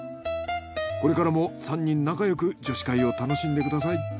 これからも３人仲よく女子会を楽しんでください。